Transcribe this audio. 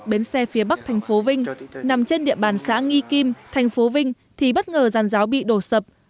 bến xe phía bắc thành phố vinh nằm trên địa bàn xã nghi kim thành phố vinh thì bất ngờ giàn giáo bị đổ sập